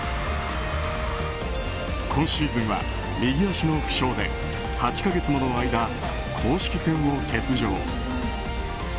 今シーズンは右足の負傷で８か月もの間、公式戦を欠場。